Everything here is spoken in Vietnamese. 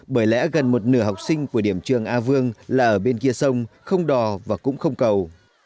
bởi lẽ gần một nửa học sinh của điểm trường a vương là ở bên kia sông không đò và cũng không cầu